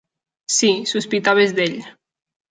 Sí, sospitaves d'ell.